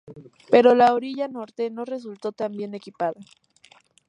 Pero la orilla norte no resultó tan bien equipada.